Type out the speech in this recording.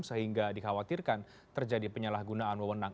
sehingga dikhawatirkan terjadi penyalahgunaan wewenang